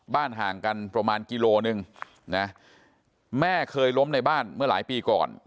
ห่างกันประมาณกิโลหนึ่งนะแม่เคยล้มในบ้านเมื่อหลายปีก่อน